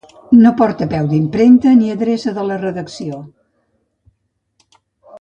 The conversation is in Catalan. No porta peu d'impremta ni adreça de la redacció.